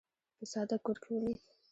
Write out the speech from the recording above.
په ساده کور کې ولید.